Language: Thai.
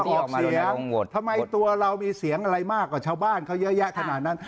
ทำไมเราตัวมีเสียงอะไรมากกว่าเช้าบ้านเยอะแยะขนาดนั้น